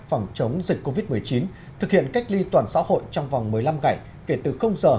phòng chống dịch covid một mươi chín thực hiện cách ly toàn xã hội trong vòng một mươi năm ngày kể từ giờ